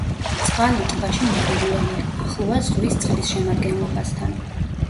წყალი ტბაში მარილიანია, ახლოა ზღვის წყლის შემადგენლობასთან.